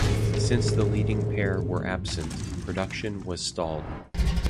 Since the leading pair were absent, production was stalled.